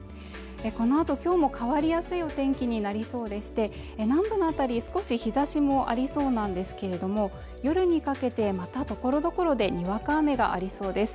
このあと今日も変わりやすいお天気になりそうでして南部の辺り少し日差しもありそうなんですけれども夜にかけてまたところどころでにわか雨がありそうです